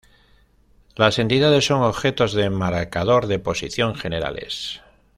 Las entidades son objetos de marcador de posición generales.